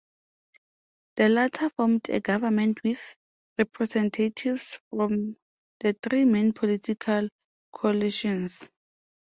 The latter formed a government with representatives from the three main political coalitions.